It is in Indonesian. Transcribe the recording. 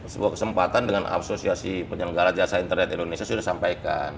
sebuah kesempatan dengan asosiasi penyelenggara jasa internet indonesia sudah sampaikan